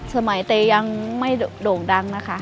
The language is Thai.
สมัยเตยังไม่โด่งดังนะคะ